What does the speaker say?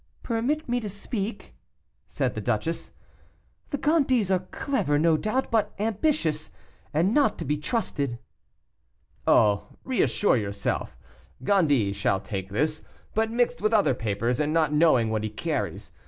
"Permit me to speak," said the duchess. "The Gondys are clever, no doubt, but ambitious, and not to be trusted." "Oh! reassure yourself. Gondy shall take this, but mixed with other papers, and not knowing what he carries.